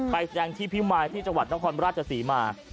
แสดงที่พิมายที่จังหวัดนครราชศรีมา